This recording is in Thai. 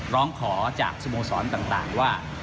ร้องขอจากสโมสรต่างว่า